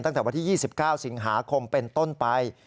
ตั้งแต่วันที่๒๙สิงหาคมเป็นต้นไป